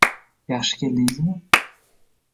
Yaxshi keldingizmi?